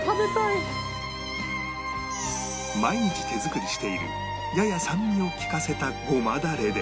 毎日手作りしているやや酸味を利かせたごまダレで